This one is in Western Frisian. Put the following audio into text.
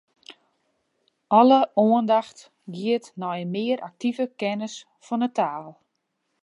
Alle oandacht giet nei in mear aktive kennis fan 'e taal.